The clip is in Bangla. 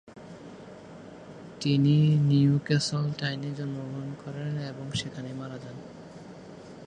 তিনি নিউক্যাসল টাইনে জন্মগ্রহণ করেন এবং সেখানেই মারা যান।